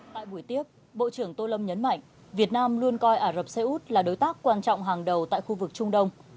tại buổi tiếp bộ trưởng tô lâm nhấn mạnh việt nam luôn coi ả rập xê út là đối tác quan trọng hàng đầu tại khu vực trung đông